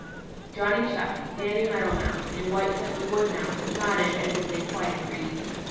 Johnny Chuck, Danny Meadow Mouse and Whitefoot the Wood Mouse nodded as if they quite agreed.